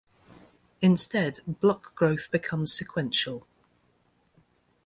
Instead, block growth becomes sequential.